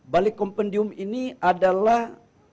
balik kompendium ini adalah